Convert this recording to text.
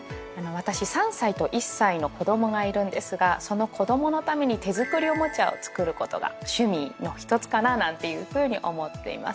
私３歳と１歳の子供がいるんですがその子供のために手作りおもちゃを作ることが趣味の一つかななんていうふうに思っています。